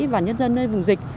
và nhân dân nơi vùng dịch